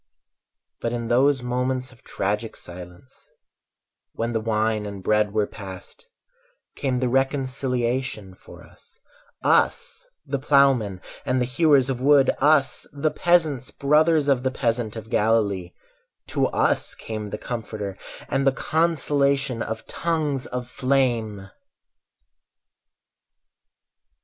But in those moments of tragic silence, When the wine and bread were passed, Came the reconciliation for us— Us the ploughmen and the hewers of wood, Us the peasants, brothers of the peasant of Galilee— To us came the Comforter And the consolation of tongues of flame!